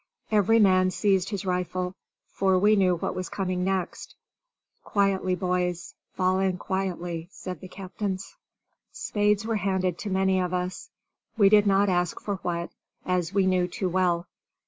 Every man seized his rifle, for we knew what was coming next. "Quietly, boys, fall in quietly," said the captains. Spades were handed to many of us. We did not ask for what, as we knew too well.